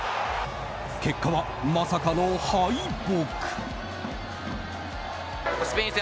結果は、まさかの敗北。